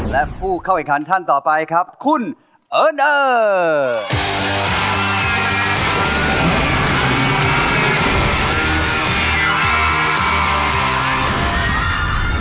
และผู้เข้าอีกครั้งท่านต่อไปคุณเอิ้นเอิ้น